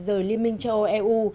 rời liên minh châu âu eu